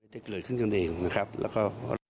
จะเกิดขึ้นกันเองนะครับแล้วก็